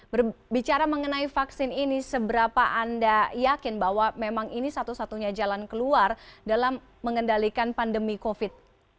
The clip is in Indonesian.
berbicara mengenai vaksin ini seberapa anda yakin bahwa memang ini satu satunya jalan keluar dalam mengendalikan pandemi covid